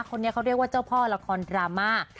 คนนี้เขาเรียกว่าเจ้าพ่อละครดราม่า